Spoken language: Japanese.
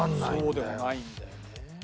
そうでもないんだよね。